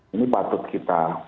ini patut kita